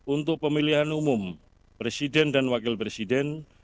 untuk pemilihan umum presiden dan wakil presiden